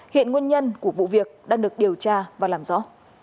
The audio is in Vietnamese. hiện nguyên nhân của vụ việc đang được điều tra và làm rõ